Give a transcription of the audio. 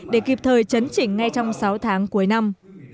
để kịp thời chấn chỉnh ngay trong sáu tháng cuối năm